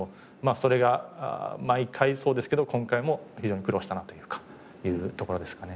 それが毎回そうですけど今回も非常に苦労したなというかというところですかね。